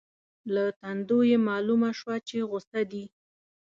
له تندو یې مالومه شوه چې غصه دي.